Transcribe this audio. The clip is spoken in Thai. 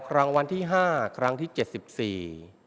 รางวัลที่ห้าครั้งที่เจ็ดสิบสี่